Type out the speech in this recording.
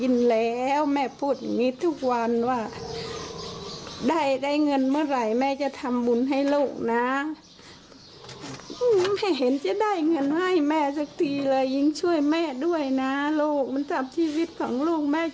นักศึกษาคณะนิตย์ศาสตร์ค่ะ